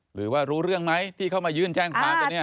หรือว่ารู้เรื่องไหมที่เขามายื่นแจ้งความกันเนี่ย